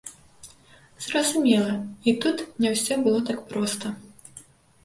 Зразумела, і тут не ўсё было так проста.